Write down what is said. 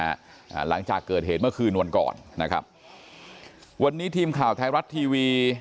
อ่าหลังจากเกิดเหตุเมื่อคืนวันก่อนนะครับวันนี้ทีมข่าวไทยรัฐทีวี